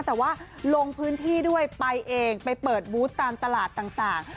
แต่ว่าลงพื้นที่ด้วยไปเองไปเปิดบูธตามตลาดต่าง